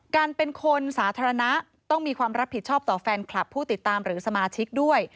การเป็นคนสาธารณะต้องมีความรับผิดชอบต่อแฟนคลับผู้ติดตามหรือสมาชิกด้วย